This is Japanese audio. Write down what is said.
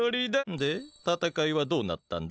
でたたかいはどうなったんだ？